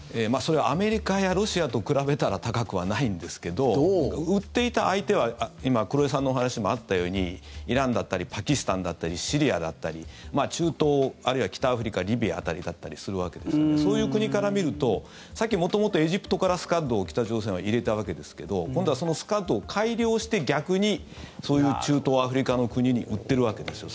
アメリカやロシアと比べたら高くはないんですけど売っていた相手は今、黒井さんのお話にもあったようにイランだったりパキスタンだったりシリアだったり中東、あるいは北アフリカリビア辺りだったりするわけですからそういう国から見ると元々、エジプトからスカッドを北朝鮮は入れたわけですけど今度は、そのスカッドを改良して逆にそういう中東、アフリカの国に売ってるわけですよ。